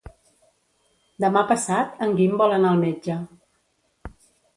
Demà passat en Guim vol anar al metge.